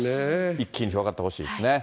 一気に広がってほしいですね。